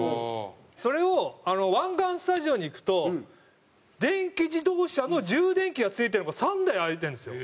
それを湾岸スタジオに行くと電気自動車の充電器が付いてるとこ３台空いてるんですよ。